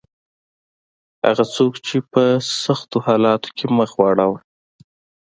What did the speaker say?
هغه څوک چې په سختو حالاتو کې مخ واړاوه.